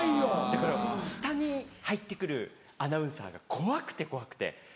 だから下に入って来るアナウンサーが怖くて怖くて。